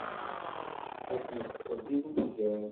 Ad tneqseḍ deg lmizan.